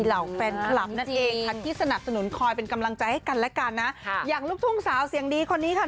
เหล่าแฟนคลับนั่นเองค่ะที่สนับสนุนคอยเป็นกำลังใจให้กันและกันนะค่ะอย่างลูกทุ่งสาวเสียงดีคนนี้ค่ะ